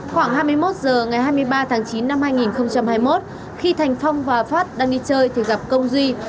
khoảng hai mươi một h ngày hai mươi ba tháng chín năm hai nghìn hai mươi một khi thành phong và phát đang đi chơi thì gặp công duy